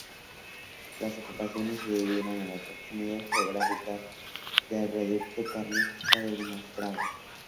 Las ocupaciones se debieron a la proximidad geográfica del reducto carlista de Maestrazgo.